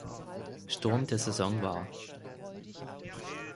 Sturm der Saison war.